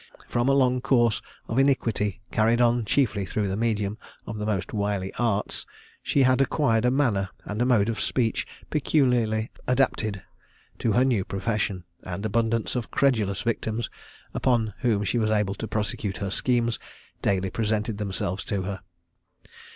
From a long course of iniquity, carried on chiefly through the medium of the most wily arts, she had acquired a manner, and a mode of speech peculiarly adapted to her new profession; and abundance of credulous victims, upon whom she was able to prosecute her schemes, daily presented themselves to her.